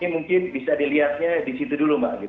ini mungkin bisa dilihatnya di situ dulu mbak gitu